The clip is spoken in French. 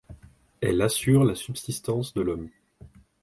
Elle assure la subsistance de l'homme.